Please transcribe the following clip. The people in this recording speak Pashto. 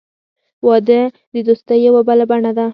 • واده د دوستۍ یوه بله بڼه ده.